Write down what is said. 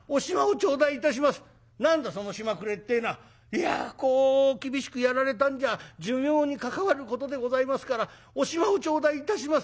「いやこう厳しくやられたんじゃ寿命に関わることでございますからお暇を頂戴いたします」。